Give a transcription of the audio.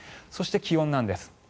そして気温なんです。